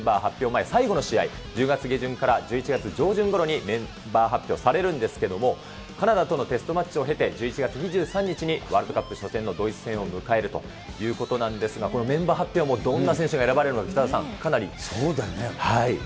前最後の試合、１０月下旬から１１月上旬ごろにメンバー発表されるんですけれども、カナダとのテストマッチを経て、１１月２３日にワールドカップ初戦のドイツ戦を迎えるということなんですが、このメンバー発表もどんな選手が選ばれるのか、そうだよね。